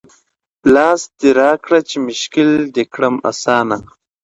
لاس دي راکه چي مشکل دي کړم آسانه